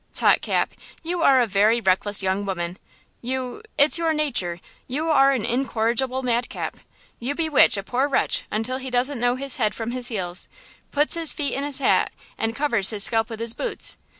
"Tut, Cap! you are a very reckless young woman! You–it's your nature–you are an incorrigible madcap! You bewitch a poor wretch until he doesn't know his head from his heals–puts his feet in his hat and covers his scalp with his boots!